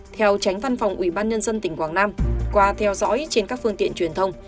theo tránh văn phòng ủy ban nhân dân tỉnh quảng nam qua theo dõi trên các phương tiện truyền thông